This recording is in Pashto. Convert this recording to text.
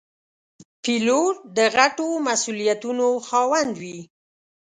پیلوټ د غټو مسوولیتونو خاوند وي.